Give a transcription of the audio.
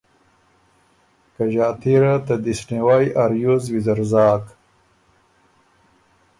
که ݫاتي ره ته دِست نیوئ ا ریوز ویزر زاک۔